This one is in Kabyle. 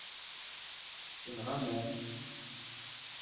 Tenɣam-as-tt.